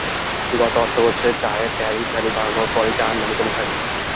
গত অর্থবছরে চায়ের ট্যারিফ ভ্যালু বাড়ানোর পরই চা আমদানি কমতে থাকে।